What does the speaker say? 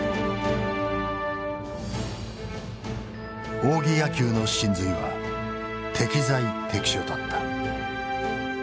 仰木野球の神髄は適材適所だった。